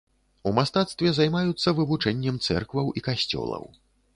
У мастацтве займаюцца вывучэннем цэркваў і касцёлаў.